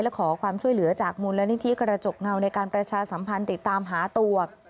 และขอความช่วยเหลือจากมูลนิธิกระจกเงาในการประชาสัมพันธ์ติดตามหาตัว